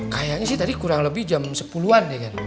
kayaknya sih tadi kurang lebih jam sepuluh an ya kan